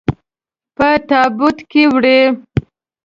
په تابوت کې وړئ.